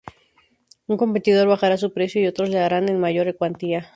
Un competidor bajará su precio y otros lo harán en mayor cuantía.